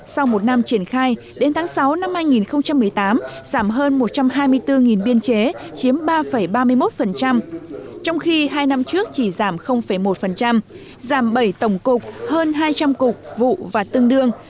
sau một năm triển khai đến tháng sáu năm hai nghìn một mươi tám giảm hơn một trăm hai mươi bốn biên chế chiếm ba ba mươi một trong khi hai năm trước chỉ giảm một giảm bảy tổng cục hơn hai trăm linh cục vụ và tương đương